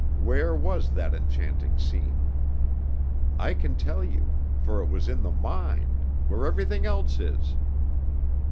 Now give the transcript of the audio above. Where was that enchanting scene? I can tell you: for it was in the mind, where everything else is.